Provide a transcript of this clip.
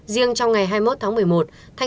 riêng trong ngày hai mươi một tháng một mươi một